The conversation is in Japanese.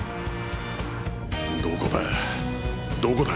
どこだどこだ？